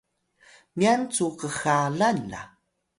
nyan cu kxalan la